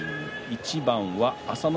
１番は朝乃